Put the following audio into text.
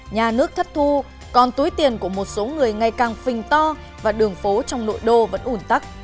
nhà nước thất thu còn túi tiền của một số người ngày càng phình to và đường phố trong nội đô vẫn ủn tắc